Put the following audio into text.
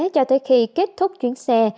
cho tới khi kết thúc chuyến xe